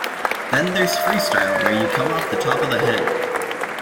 Then there's freestyle where you come off the top of the head.